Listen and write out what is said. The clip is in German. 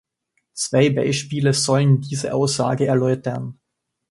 Zwei Beispiele sollen diese Aussage erläutern.